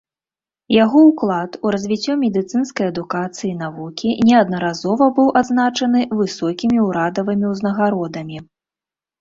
Яго ўклад у развіццё медыцынскай адукацыі і навукі неаднаразова быў адзначаны высокімі ўрадавымі ўзнагародамі.